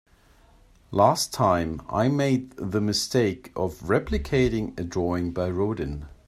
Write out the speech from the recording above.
Last time, I made the mistake of replicating a drawing by Rodin.